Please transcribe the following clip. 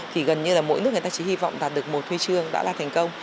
thì gần như là mỗi nước người ta chỉ hy vọng đạt được một huy chương đã là thành công